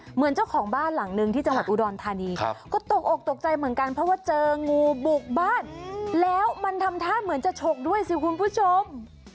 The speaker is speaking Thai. เหมือนเจ้าของบ้านหลังนึงที่จังหวัดอุดรธานีก็ตกออกตกใจเหมือนกันเพราะว่าเจองูบุกบ้านแล้วมันทำท่าเหมือนจะฉกด้วยสิคุณผู้ชม